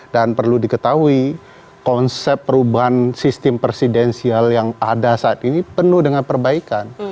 dan perlu diketahui konsep perubahan sistem presidensial yang ada saat ini penuh dengan perbaikan